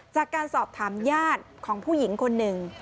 จากการสอบถามญาติของผู้หญิงคนหนึ่ง